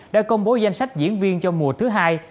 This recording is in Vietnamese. đã công bố danh sách diễn viên cho mùa thứ hai